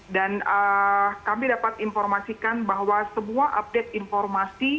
dan kami dapat informasikan bahwa semua update informasi